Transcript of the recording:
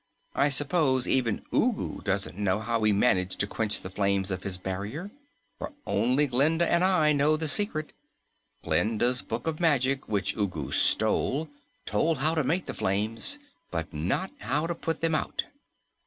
I suppose even Ugu doesn't know how we managed to quench the flames of his barrier, for only Glinda and I know the secret. Glinda's Book of Magic which Ugu stole told how to make the flames, but not how to put them out."